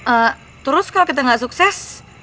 eh terus kalau kita gak sukses